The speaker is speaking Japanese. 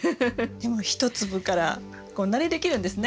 でも１粒からこんなにできるんですね。